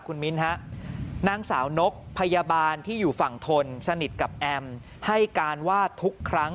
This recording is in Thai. คุณมิ้นฮะนางสาวนกพยาบาลที่อยู่ฝั่งทนสนิทกับแอมให้การว่าทุกครั้ง